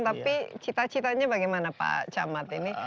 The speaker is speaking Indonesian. tapi cita citanya bagaimana pak camat ini